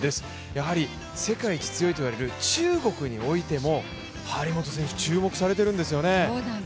やはり世界一強いといわれる中国においても、張本選手注目されているんですよね。